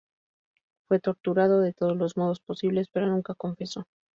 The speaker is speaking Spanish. Fue torturado de todos los modos posibles pero nunca confesó.